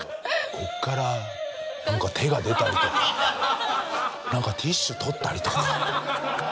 「ここから手が出たりとかなんかティッシュ取ったりとか」。